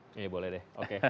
ini boleh deh